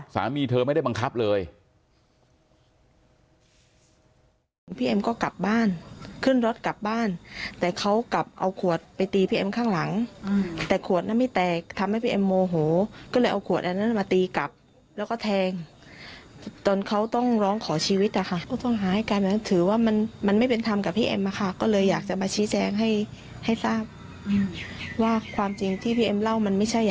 สามีเธอไม่ได้บังคับเลย